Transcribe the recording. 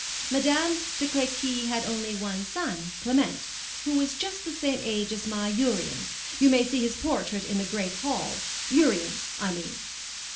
Madame de Crequy had only one son, Clement, who was just the same age as my Urian—you may see his portrait in the great hall—Urian's, I mean."